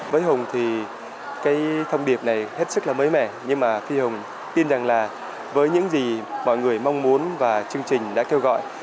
với hùng thì cái thông điệp này hết sức là mới mẻ nhưng mà khi hùng tin rằng là với những gì mọi người mong muốn và chương trình đã kêu gọi